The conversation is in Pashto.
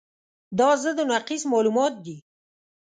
دا ضد او نقیض معلومات دي.